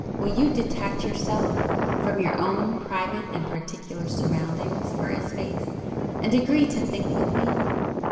Will you detach yourself from your own private and particular surroundings for a space and agree to THINK with me?